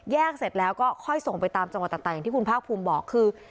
เสร็จแล้วก็ค่อยส่งไปตามจังหวัดต่างอย่างที่คุณภาคภูมิบอกคือ